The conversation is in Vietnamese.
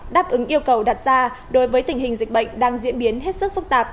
đáp ứng yêu cầu đặt ra đối với tình hình dịch bệnh đang diễn biến hết sức phức tạp